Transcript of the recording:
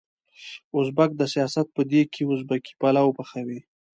ازبک د سياست په دېګ کې ازبکي پلو پخوي.